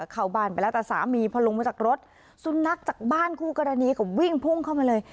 เข้าบ้านไปแล้วแต่สามีพอลงมาจากรถสุนัขจากบ้านคู่กรณีก็วิ่งพุ่งเข้ามาเลย